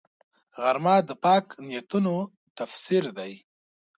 غرمه د پاک نیتونو تفسیر دی